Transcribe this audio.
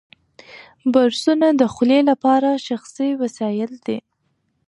برسونه د خولې لپاره شخصي وسایل دي.